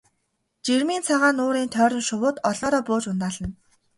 Жирмийн цагаан нуурын тойрон шувууд олноороо бууж ундаална.